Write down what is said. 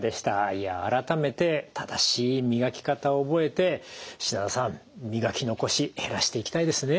いや改めて正しい磨き方を覚えて品田さん磨き残し減らしていきたいですね。